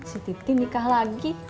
si titik nikah lagi